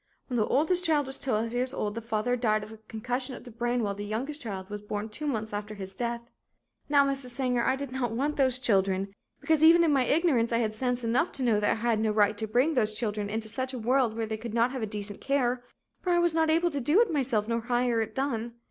When the oldest child was twelve years old the father died of concussion of the brain while the youngest child was born two months after his death. "Now, Mrs. Sanger, I did not want those children, because even in my ignorance I had sense enough to know that I had no right to bring those children into such a world where they could not have decent care, for I was not able to do it myself nor hire it done.